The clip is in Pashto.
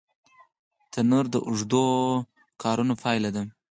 تنور د اوږدو کارونو پایله ده